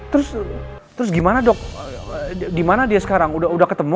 terus terus gimana dok dimana dia sekarang udah ketemu